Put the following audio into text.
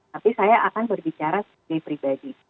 tapi saya akan berbicara sebagai pribadi